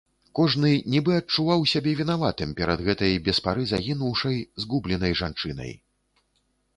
Кожны нібы адчуваў сябе вінаватым перад гэтай без пары загінуўшай, згубленай жанчынай.